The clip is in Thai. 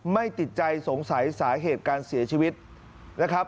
ไม่ติดใจสงสัยสาเหตุการเสียชีวิตนะครับ